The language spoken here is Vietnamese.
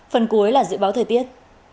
phần cuối là dự báo thời tiết